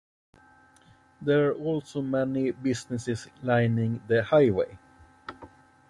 There are also many businesses lining the highway.